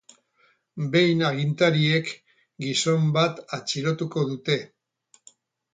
Behin agintariek gizon bat atxilotuko dute.